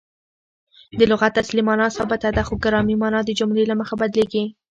د لغت اصلي مانا ثابته ده؛ خو ګرامري مانا د جملې له مخه بدلیږي.